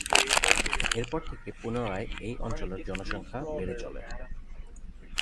এরপর থেকে পুনরায় এই অঞ্চলের জনসংখ্যা বেড়ে চলে।